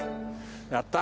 やった。